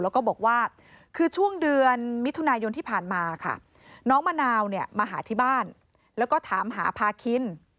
แล้วก็บอกว่าคือช่วงเดือนมิถุนายนที่ผ่านมาค่ะน้องมะนาวเนี่ยมาหาที่บ้านแล้วก็ถามหาพาคิน